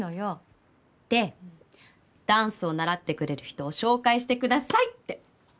でダンスを習ってくれる人を紹介してくださいって。